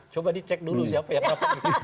coba dicek dulu siapa ya pak